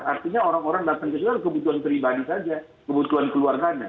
artinya orang orang datang ke situ kan kebutuhan pribadi saja kebutuhan keluarganya